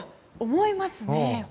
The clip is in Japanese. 思いますね。